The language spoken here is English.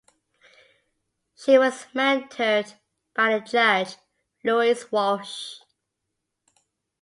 She was mentored by the judge, Louis Walsh.